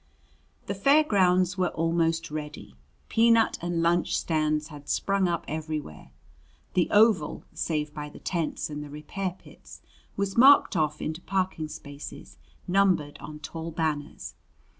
The fair grounds were almost ready. Peanut and lunch stands had sprung up everywhere. The oval, save by the tents and the repair pits, was marked off into parking spaces numbered on tall banners.